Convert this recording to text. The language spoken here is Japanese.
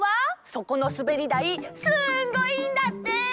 そこのすべりだいすんごいんだって！